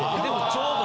ちょうど。